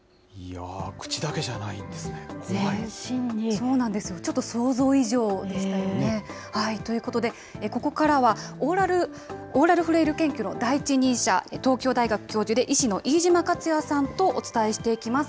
そうなんですよ、ちょっと想像以上でしたよね。ということで、ここからはオーラルフレイル研究の第一人者、東京大学教授で、医師の飯島勝矢さんとお伝えしていきます。